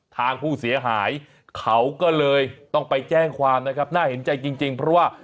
ทางผู้เสียหายเขาก็เลยต้องไปแจ้งความนะครับน่าเห็นใจจริงเพราะว่า